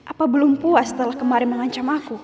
apa belum puas setelah kemarin mengancam aku